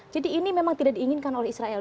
jadi ini memang tidak diinginkan oleh israel